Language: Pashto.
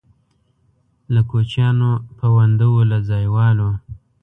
له کوچیانو پونده وو له ځایوالو.